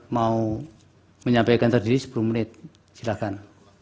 mau menyampaikan terdiri sepuluh menit silahkan